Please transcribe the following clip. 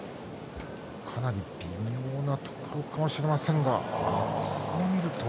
かなり微妙なところかもしれませんが、こう見ると。